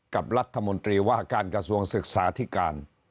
กับรัฐมนตรีว่าการกระทรวงศึกษาธิการ